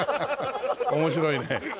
面白いね。